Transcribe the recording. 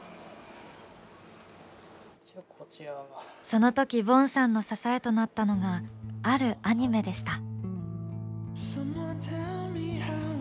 そのときＶｏｎさんの支えとなったのがあるアニメでした。